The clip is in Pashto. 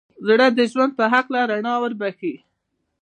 زړه د ژوند په هکله رڼا وربښي.